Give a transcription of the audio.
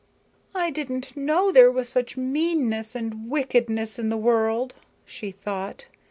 "I didn't know there was such meanness and wickedness in the world," she thought.